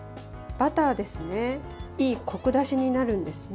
バターですね。